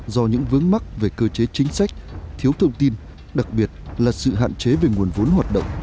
do những vướng mắc về cơ chế chính sách thiếu thông tin đặc biệt là sự hạn chế về nguồn vốn hoạt động